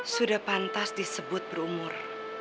sudah pantas disebut berumur